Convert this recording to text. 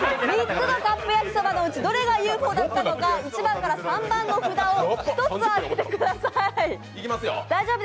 ３つのカップ焼きそばのうちどれがＵ．Ｆ．Ｏだったのか、１番から３番の札を１つ上げてください。